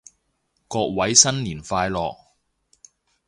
各位新年快樂